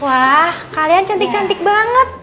wah kalian cantik cantik banget